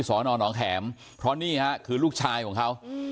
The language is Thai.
อนอนองแข็มเพราะนี่ฮะคือลูกชายของเขา